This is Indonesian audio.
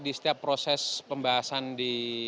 di setiap proses pembahasan di